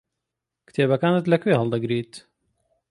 کتێبەکانت لەکوێ هەڵدەگریت؟